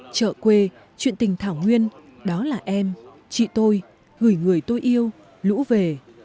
chợ quê chuyện tình thảo nguyên đó là em chị tôi gửi người tôi yêu lũ về